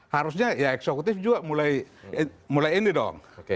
harusnya ya eksekutif juga mulai ini dong